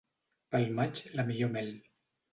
Pel maig, la millor mel.